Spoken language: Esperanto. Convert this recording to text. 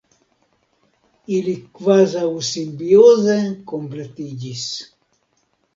Ili kvazaŭ simbioze kompletiĝis.